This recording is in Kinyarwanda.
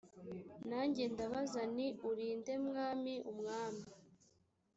nanjye ndabaza nti uri nde mwami umwami